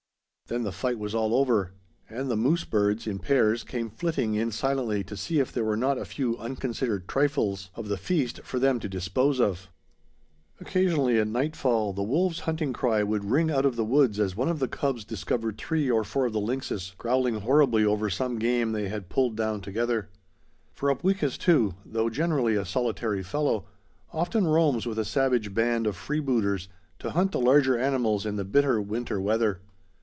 Then the fight was all over; and the moose birds, in pairs, came flitting in silently to see if there were not a few unconsidered trifles of the feast for them to dispose of. Occasionally, at nightfall, the wolves' hunting cry would ring out of the woods as one of the cubs discovered three or four of the lynxes growling horribly over some game they had pulled down together. For Upweekis too, though generally a solitary fellow, often roams with a savage band of freebooters to hunt the larger animals in the bitter winter weather.